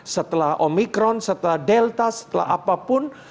setelah omikron setelah delta setelah apapun